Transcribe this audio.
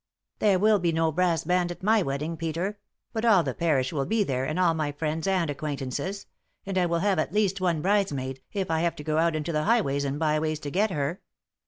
"There will be no brass band at my wedding, Peter ; but all the parish will be there and all my friends and acquaintances ; and I will have at least one bridesmaid, if I have to go eut into the highways and by ways to get her."